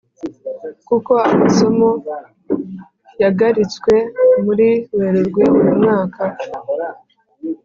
kuko amasomo yagaritswe muri Werurwe uyu mwaka